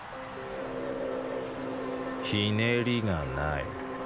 ひねりがない。